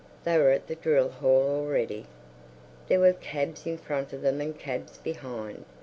They were at the drill hall already; there were cabs in front of them and cabs behind.